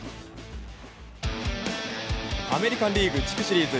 アメリカン・リーグ地区シリーズ。